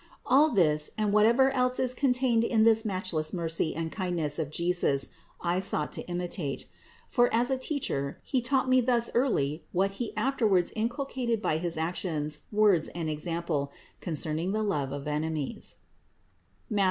All this, and whatever else is contained in this matchless mercy and kindness of Jesus, I sought to imitate; for as a Teacher He taught me thus early what He afterwards inculcated by his actions, words and example concerning the love of enemies (Matth.